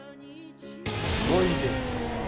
５位です。